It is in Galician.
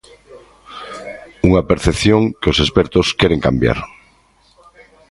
Unha percepción que os expertos queren cambiar.